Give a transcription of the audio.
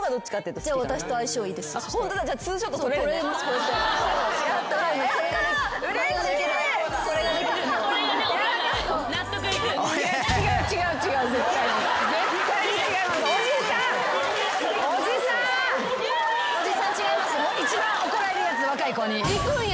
一番怒られるやつ若い子に。